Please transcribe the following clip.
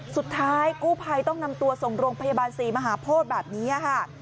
สุดท้ายกู้ภัยต้องนำตัวส่งโรงพยาบาลศรีมหาโพธิแบบนี้ค่ะ